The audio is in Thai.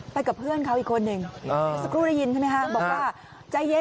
ไปกับเพื่อนเขาอีกคนนึงอ่าสักครู่ได้ยินใช่ไหมฮะอ่า